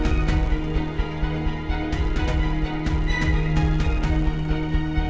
yaudah kalau gitu kita panggil aja